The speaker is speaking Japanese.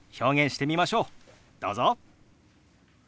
どうぞ！